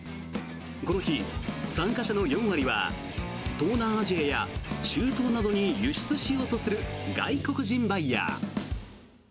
この日、参加者の４割は東南アジアや中東などに輸出しようとする外国人バイヤー。